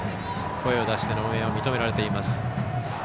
声を出しての応援が認められています。